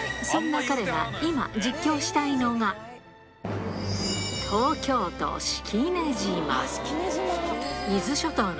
そんな彼が今、実況したいのが、東京都式根島。